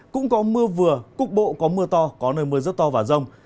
cũng có mưa vừa cục bộ có mưa to có nơi mưa rất to và rông